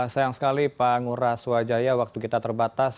sayang sekali pak ngura swajaya waktu kita terbatas